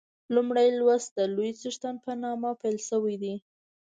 لومړی لوست د لوی څښتن په نامه پیل شوی دی.